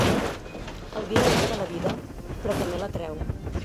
El vi allarga la vida, però també la treu.